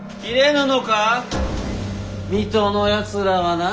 水戸のやつらは軟弱だな。